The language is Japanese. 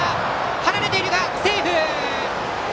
離れているが、セーフ！